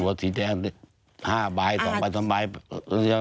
ตัวสีแดง๕ใบ๒ใบ๓ใบ